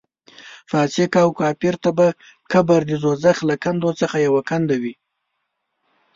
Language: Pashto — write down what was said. فاسق او کافر ته به قبر د دوزخ له کندو څخه یوه کنده وي.